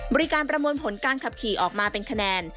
ประมวลผลการขับขี่ออกมาเป็นคะแนน